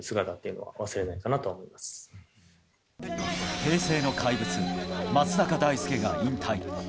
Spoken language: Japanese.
平成の怪物、松坂大輔が引退。